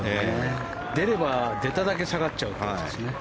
出れば出ただけ下がっちゃうんですね。